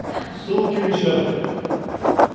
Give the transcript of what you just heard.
早急に調べてくれ。